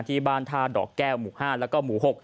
ที่บ้านท่าดอกแก้วหมู่๕แล้วก็หมู่๖